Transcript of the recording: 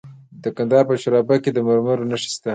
د کندهار په شورابک کې د مرمرو نښې شته.